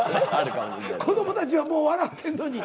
子供たちはもう笑ってんのに？